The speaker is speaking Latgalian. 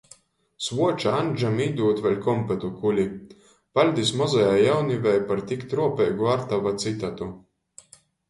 Svuoča Aņžam īdūd vēļ kompetu kuli: Paļdis mozajai jaunivei par tik truopeigu Artava citatu!